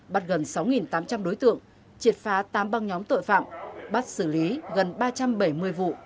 bắt gần sáu tám trăm linh đối tượng triệt phá tám băng nhóm tội phạm bắt xử lý gần ba trăm bảy mươi vụ